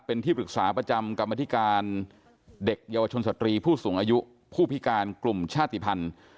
เป็นที่ปรึกษาประจำกรรมธิการเด็กเยาวชนสตรีผู้สูงอายุผู้พิการกลุ่มชาติภัณฑ์